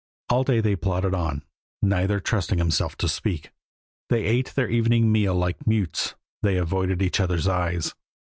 All day they plodded on, neither trusting himself to speak. They ate their evening meal like mutes; they avoided each other's eyes.